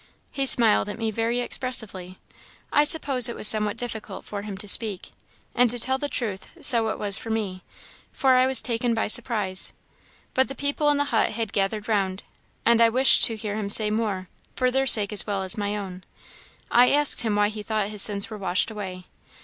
"He smiled at me very expressively. I suppose it was somewhat difficult for him to speak; and, to tell the truth, so it was for me, for I was taken by surprise; but the people in the hut had gathered round, and I wished to hear him say more, for their sake as well as my own. I asked him why he thought his sins were washed away.